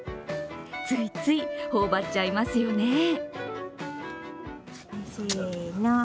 ついつい頬張っちゃいますよね。